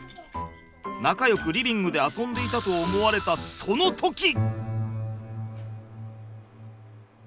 仲よくリビングで遊んでいたと思われたその時。